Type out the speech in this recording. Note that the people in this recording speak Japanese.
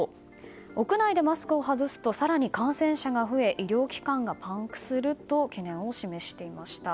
屋内でマスクを外すと更に感染者が増え医療機関がパンクすると懸念を示していました。